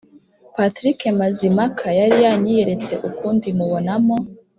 Patrick Mazimpaka yari yanyiyeretse ukundi, mubonamo